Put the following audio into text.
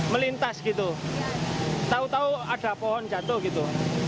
melintas gitu tahu tahu ada pohon jatuh gitu